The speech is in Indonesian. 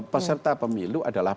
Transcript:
peserta pemilu adalah